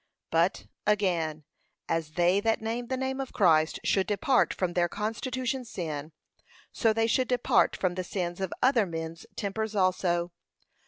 But, Again, As they that name the name of Christ 'should depart from their constitution sin, so they should depart from the sins of other men's tempers also.